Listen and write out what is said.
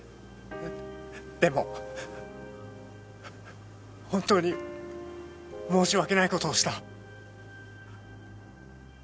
でも本当に申し訳ない事をした。